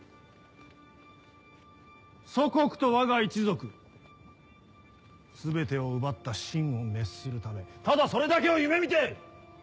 祖国とわが一族全てを奪った秦を滅するためただそれだけを夢見て！